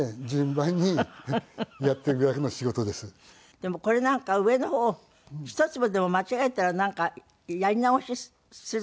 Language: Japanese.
でもこれなんか上の方一粒でも間違えたらなんかやり直しする。